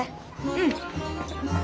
うん。